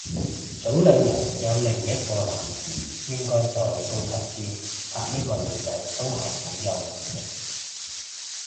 早兩日有另一個男士應該再高級啲拍呢個女仔，都係好有耐性